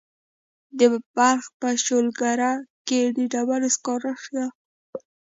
د بلخ په شولګره کې د ډبرو سکاره شته.